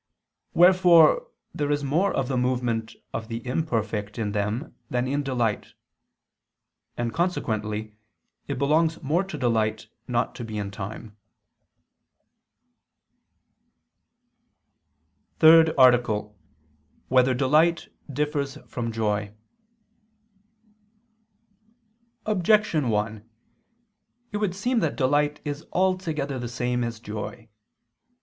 Wherefore there is more of the movement of the imperfect in them than in delight. And consequently it belongs more to delight not to be in time. ________________________ THIRD ARTICLE [I II, Q. 31, Art. 3] Whether Delight Differs from Joy? Objection 1: It would seem that delight is altogether the same as joy.